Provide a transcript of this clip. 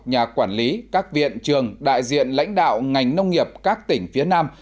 nhà quản lý các viện trường đại diện lãnh đạo ngành nông nghiệp các tỉnh phía nam